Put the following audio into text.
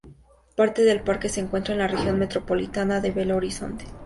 Parte del parque se encuentra en la región metropolitana de Belo Horizonte.